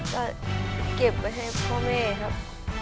ก็เก็บไว้ให้พ่อแม่ครับ